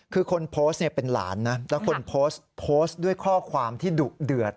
คือคนโพสต์เนี่ยเป็นหลานนะแล้วคนโพสต์โพสต์ด้วยข้อความที่ดุเดือด